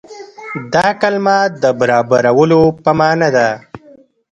دا کلمه د برابرولو په معنا ده.